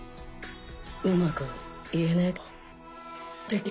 うまく言えねえけど。